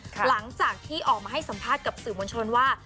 หลังจากที่ออกมาให้สัมภาษณ์กับสื่อมวลชนว่า